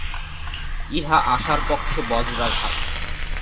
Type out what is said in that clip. ইহা আশার পক্ষে বজ্রাঘাত।